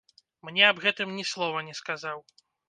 Мне аб гэтым ні слова не сказаў.